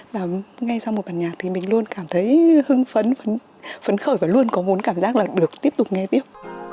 và ngay sau một bản nhạc thì mình luôn cảm thấy hưng phấn phấn khởi và luôn có muốn cảm giác là được tiếp tục nghe tiếp